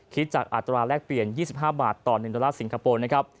คิดจากอัตราแรกเปลี่ยน๒๕บาทต่อ๑ดอลลาร์สิงคโปร์นะครับ